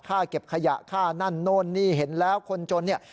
เก็บขยะค่านั่นโน่นนี่เห็นแล้วคนจนเนี่ย